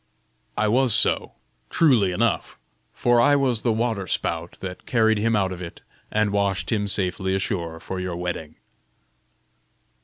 I was so, truly enough; for I was the water spout that carried him out of it and washed him safely ashore for your wedding."